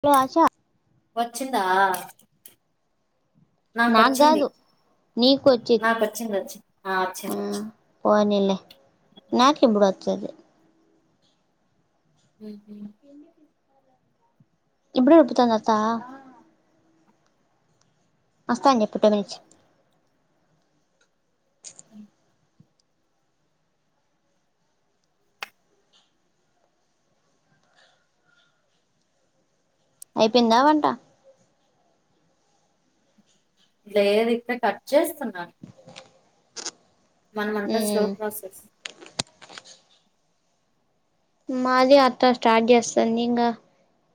hello ఆశ వచ్చిందా నాకొచ్చింది నీ కొచ్చి నాకొచ్చింది వచ్చింది వచ్చింది ఆ ఉ వచ్చింది వచ్చింది పోనీలే నాకి ఇప్పుడు వచ్చింది ఉహు ఇప్పుడే రుబ్బుతందా అత్తా అస్తాం చెప్పు టు నుంచి అయిపోయింద వంట లేదు ఇక్కడ కట్ చేస్తున్నాను మనమంతా స్లో ప్రాసెస్ మాది అత్త స్టార్ట్ చేస్తది ఇంగ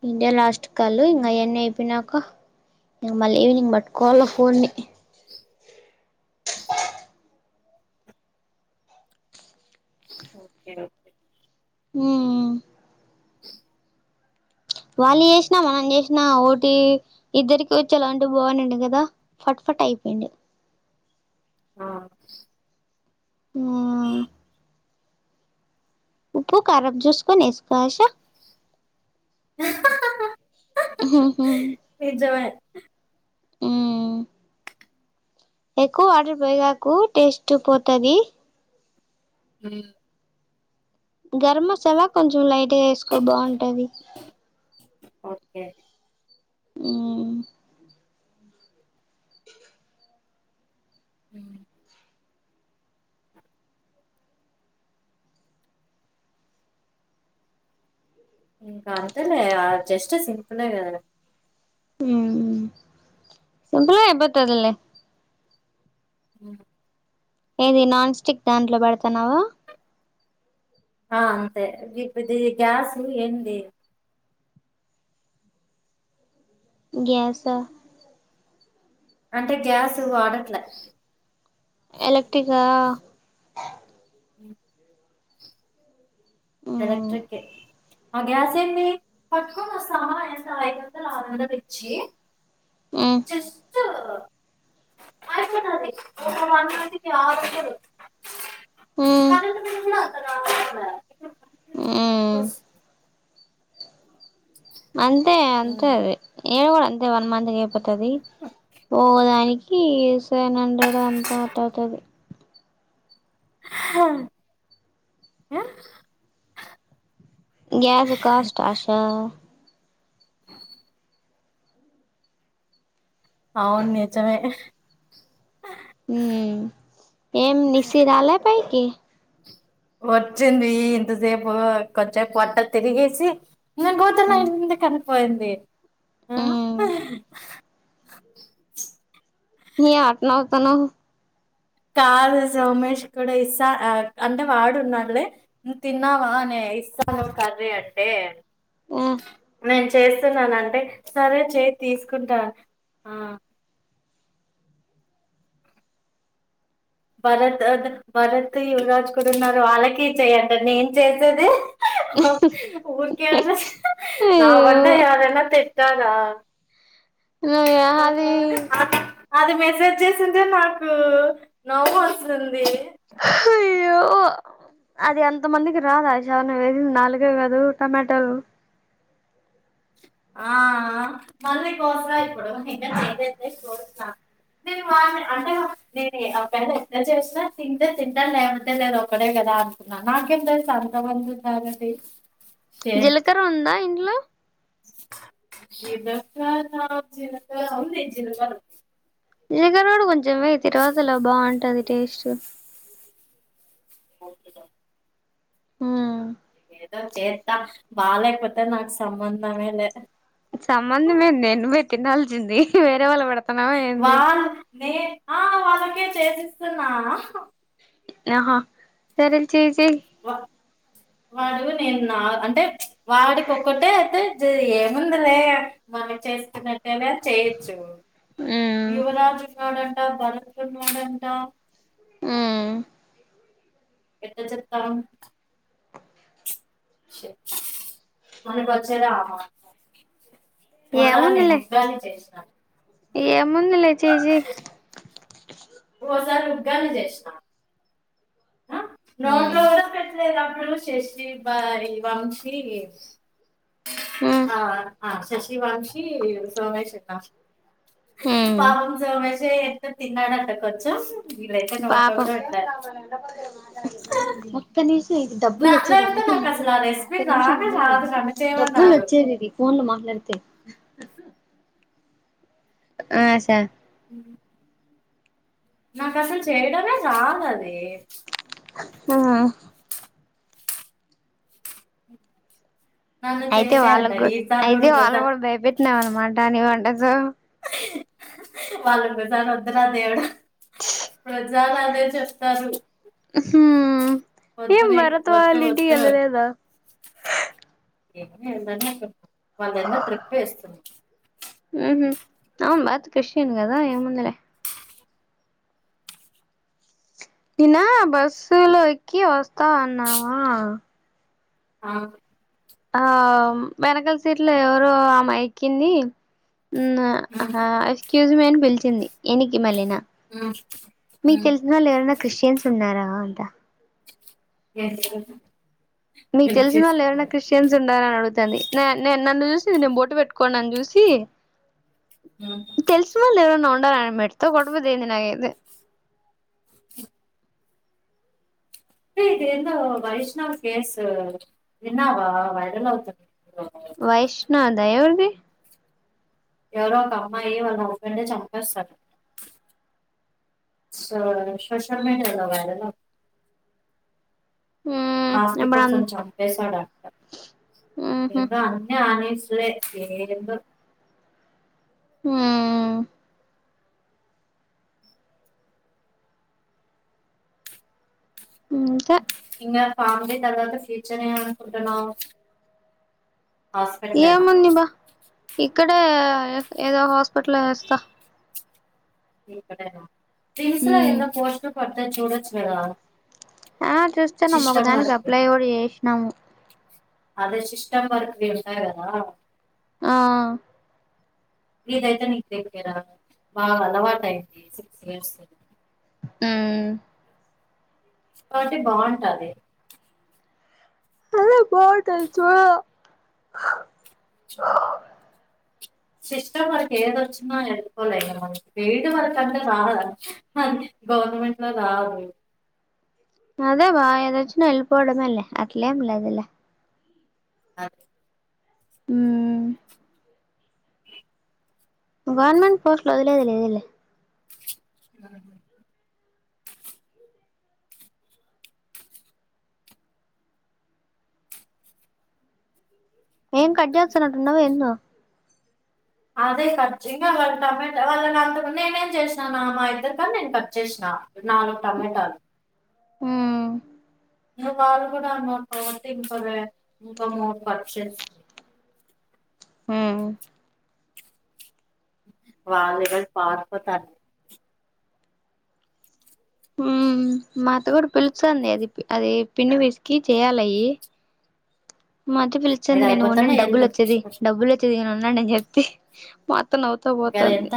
ఇదే లాస్ట్ కల్లు ఇంగయన్నీ అయిపోయినాక ఇంక మళ్ళీ ఈవినింగ్ పట్టుకోవాల కోన్ని ఓకే ఓకే హు వాళ్ళు చేసిన మనం చేసినా ఒటి ఇద్దరికి వచ్చే అలాంటివి బాగునిండా కదా ఫట్ టైపోయింది ఆ ఉ ఉప్పు కారం చూసుకొని ఏసుకో ఆశ ఉహు నిజమే ఉ ఎక్కువ ఆర్డర్ పోయగాకు టేస్ట్ పోతది ఉ గరం మసాలా కొంచం లైట్గా వేసుకో బాగుంటది ఓకే ఊ ఉ ఉ ఇంక అంతేలే జస్ట్ సింపులే కదా ఉ సింపులే ఐపోతదిలే ఉ ఏది నాన్ స్టిక్ దాంట్లో పెడతన్నావా ఆ అంతే ఇప్ ఇది గ్యాస్ ఏంది గ్యాసా అంటే గ్యాస్ వాడట్ల ఎలక్ట్రికా ఉ మ్మ్ ఎలక్ట్రికె అ గ్యాసేంది పట్టుకొని వస్తామా ఏంది ఐదు వందలు ఆరందలు ఇచ్చి మ్మ్ చిస్ దు ఐపోతది ఒక వన్ మంత్ కి ఆరు వందలు మ్మ్ కరెంట్ బిల్ కూడ అంత కావడంలే మ్మ్ అంతే అంతే అది ఏ కూడ అంతే వన్ మంతయి పోతది ఒ దానికి సెవెన్ హండ్రెడ్ అంత అట్ట అవుతది హ గ్యాసు కాస్ట్ ఆషా అవును నిజమే ఉ ఏం నిశి రాలే పైకి వచ్చింది ఇంతసేపు కొంచేపు పొట్ట తిరిగేసి నా గౌతమ మ్మ్ ఎందుకని పోయింది ఆ నీ అట్ నవుతోనవ్ కాదు సోమేష్ కూడ ఇసా అంటే వాడున్నాడు లే నువ్ తిన్నావానే ఇసాను కర్రీ అంటే వా నేను చేస్తున్నాను అంటే సరే చేయి తీసుకుంటా ఆ భరత్ తర్వాత భరత్ యువరాజ్ కూడా ఉన్నారు వాళ్ళకి చెయి అంట నేన్ చేసేదే ఊరికే అడ్రస్ నా అయ్యో వంట ఎవరన్నా తెట్ టా రా నుయ అది అది మెసేజ్ చేసింటే నాకు నవ్వు వస్తుంది అయ్యో అది అంత మందికి రాదు అయేషా నువ్వు ఏసింది నాలుగే కదు టమాటోలు ఆ మళ్ళీ కోస ఇప్పుడు నిన్న చేయి ఎత్తేసి కోస్తా అంటే వాని అంటే నేను అవేకన్న ఎంత చేసినా తింటే తింటను లేవంటే లేదు ఒక్కడే కదా నాకేం తెలుసు అంత మంది ఉన్నారని జీలకర ఉందా ఇంట్లో జినకా నా జిలకర ఉంది జిల్ కారు జిలకర కూడా కొంచం వేయి తిరువాతలో బాగుంటది టేస్ట్ ఓకే డన్ హ ఏదో చేతా బాలేపోతే నాకు సంబంధమేలే సంబంధం నువ్వే తినాల్సింది ఏంది వేరే వాళ్ళ పెడ్ వాల్ నే ఆ వాళ్ళకే చేసిస్తున్నా ఆహా సరెన్ చేసి వా అ వాడు నేను నా అంటే వాడికి ఒక్కటే అయితే జే ఏముందిలే మన చేస్తునట్టే గ చేయొచ్చు మ్మ్ యువరాజు ఉన్న జరుపుకున్నాడంట ఆ ఎట్ల చెప్తం మన కోచేదామా పోతాని ఏముందిలే ఉగ్గని చేసిన ఏముందిలే చేసేయి ఒసారి ఉగ్గని చేసినా మ్మ్ నోట్లోకూడ పెట్లేదు అప్పుడు శశి బరి వంశీ మ్మ్ ఆ శశి వంశి సోమేష్న్న పాపం సోమేషే యత్నో తిన్నాడంట కొంచెం విల్లైతే నోట్లో కూడా పెట్లే ఒక్కనిష్ ఇది డబ్బులు నా వచ్చేది లేకపోతే అందుకే నాకు అసలు ఆ మాట్లాడతాను రెసిపీ ఒక నిమిషం రానే ఉండండి రాదు నన్ను డబ్బులు చేయమన్నారు వచ్చేది ఇది ఫోన్ లో మాట్లా డుతే ఆ సా ఉ నాకు అసలు చేయడమే రాదది ఆ నన్ను అయితే చేసే వాళ్ళకు అంటారు కూడా ఈసారి అయితే వాళ్ళ గుజా కూడా భయపెట్టినాం అనమాట ని వంట వాళ్ళు ఇంకో సారి వద్దురా దేవుడా ప్రజ అదే చెప్తారు హూ వద్దు ఏం నీకు భరత్ వాళ్ళ వద్దు ఇంటి వద్దు వెల్లలేదా ఏమి ఏదని వాళ్ళన్న ట్రిప్ వేస్తుంది ఊహూ అవును భరత్ క్రిష్టియన్ కదా ఏముందిలే నిన్నా బస్సు లో ఎక్కి వస్తా అన్నావా ఆ ఆ వెనకాల సీట్లో ఎవరో ఆమె ఎక్కింది ఉమ్ అహ ఎక్స్క్యూజ్ మీ అని పిలిచింది ఎనికి మళ్ళనా ఉమ్ మీకు ఉమ్ తెలిసినోళ్ళు ఎవరైనా క్రిస్టియన్స్ ఉన్నారా అంట ఏం తెలుసు మీకు తెలిసినోళ్ళు ఎవరైనా క్రిస్టియన్స్ ఉండారని అడుగుతుంది న నన్ను చూసి నేను బొట్టు పెట్టుకోని నన్ను చూసి తెలిసిన వాళ్ళు ఎవరన్నా ఉండాల మెట్త కొడబదేంది నాగైతే ఇది ఎందో వైష్టవి కేస్ విన్నవా వైరల్ అవుతుంది వైష్ణదా ఎవరిది ఎవరో ఒక అమ్మాయి వాళ్ళ హస్బెండ్ చంపేస్తారు సో సోషల్ మీడియాలో వైరల్ అవు మ్మ్ ఆస్తి ఇప్పుడు అం కోసం చంపేశాడంట మ్హూ ఏందో అన్ని ఆనేసి లే ఏందో హ్మ్ అంతే ఇంగ ఫ్యామిలీ తరువాత ఫ్యూచర్ ఏమనుకుంటున్నావ్ హాస్పిటల్నా ఏముంది బా ఇక్కడే ఏదో హాస్పిటల్లో వేస్తా కిమ్స్ లో మ్మ్ ఎన్నో పోస్ట్లు పడ్డాయి చూడొచ్చు కదా ఆ చూస్తాన్నాం ఒక సిస్టమ్ దానికి వర్క్ అప్లై కూడా చేసినాము అదే సిస్టం వర్క్ చేసినా కదా ఆ ఇదైతే నీకు దగ్గరా బా అలవాటు అయింది సిక్స్ ఇయర్స్ హ్మ్ కాబట్టి బాంటది అదే బాగుంటాది చూడల సిస్టం వర్క్ ఏది వచ్చిన ఎపోలే ఫీల్డ్ వర్క్ అంటే బాగా [unintelligible] గవర్నమెంట్ లో రావు అదే వా ఏదొచ్చిన ఎలిపోడమలే అట్లేమ్ లేదులే అ హ్మ్ గవర్నమెంట్ పోస్ట్ లు వదిలేదిలేదులే ఏం కట్చేస్తున్నట్టుఉండ వేందో అదే కట్చే వాళ్ళ టమాటా వాళ్ళ అంత నేనేం చేసినానా మా ఇద్దరు కానీ నేను కట్ చేసినా ఆ నాలుగు టమోటాలు హ్మ్ ఇందు వాళ్ళు కూడా ఉన్నారు కాబట్టి ఇంకా ఇంక మూడు కట్ట్ చేస్తు హ్మ్ వాళ్ళు ఈరోజ్ పారిపోతార్ మాఅత్త కూడా పిలుస్తుంది అది అది పిండి పిసికి చేయాలయి మాఅత్త పిలుచింది ఇది నేను ఉండండి అయిపోతానే డబ్బులు వచ్చేది వెళ్ళు డబ్బులు వచ్చేది నేను ఉండండి అని చెప్తే మాఅ త్త నవ్వుతా పోతుంది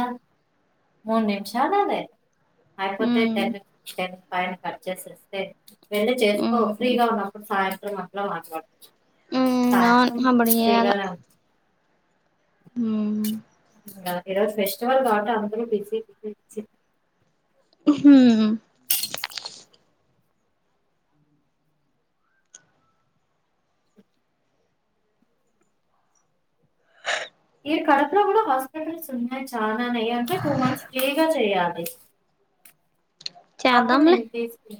చాలానే అయిపోతే మ్మ్ టెన్ టెన్ పైన కట్ చేసేస్తే వెళ్ళి చేసుకో మ్మ్ ఫ్రీగా ఉన్నప్పుడు సాయంత్రం అట్లా మాట్లాడత మ్మ్ అవును సాంత్రం అప్పుడు ఫ్రీ చేయాల గానే మ్మ్ ఈ రోజు ఫెస్టివల్ కాద అందుకని బిసి బిసి బిసి మ్మ్ హ్మ్ మీరు కడపలో కూడా హాస్పిటల్స్ ఉన్నాయి చాలానే అంటే టూ మంత్స్ ఫ్రీగా చెయాలి అప్పుడు చేద్దాంలే నేను తీసుకు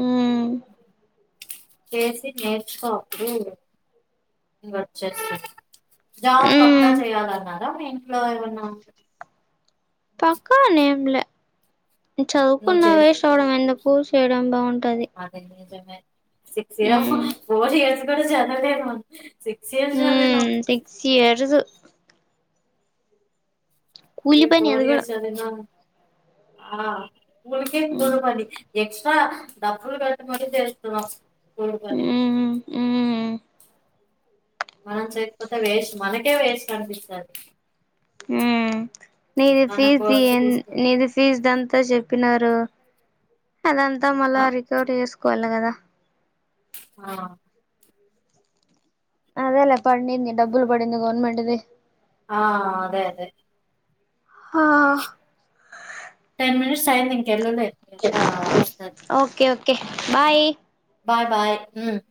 మ్మ్ చేసి నేర్చుకోప్పుడు వచ్చేస్తాను జాబ్ పక్కా హ్మ్ చేయాలన్నారా మీ ఇంట్లో ఏమన్నా పక్క నేమ్ల నువ్వు చదువుకున్న వస్ట్ ఆవడం ఎందూకు చేయడం లో అని అదేం సిక్స్ హ్మ్ ఫోర్ ఇయర్స్ కూడా చదావలే మనం సిక్స్ ఇయర్స్ చదివినాం హ్మ్ సిక్స్ ఇయర్స్ ఏ కూలి పని ఫోర్ అది కూడా ఇయర్స్ చదివినా ఆ ఉరీకే హ్మ్ కూలి పని ఎక్స్ట్రా డబ్బులు కట్టుమీ చేస్తున్నాం కూలి పని హ్మ్ హ్మ్ మనం చేయకపోతే వేస్ట్ మనకే వేస్ట్ అనిపిస్తది హ్మ్ నీది మన ఫీజది కోర్సు తీసుకు నీది ఫీజ్ దంతా అంత చెప్పినారు అదంతా ఆ మళ్ళా రికవర్ చేసుకోవాలి కదా ఆ అదేలే పడింది డబ్బులు అదే పడింది గవర్నమెంట్ ది ఆ అదే అదే ఆ టెన్ మినిట్స్ అయింది ఇంకెళ్ళలే అయి okay okay bye bye bye మ్మ్